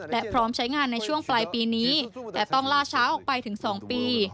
และพร้อมใช้งานในช่วงปลายปีนี้แต่ต้องล่าช้าออกไปถึง๒ปี